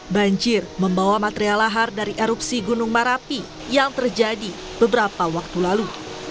banjir membawa material lahar dari erupsi gunung marapi yang terjadi beberapa waktu lalu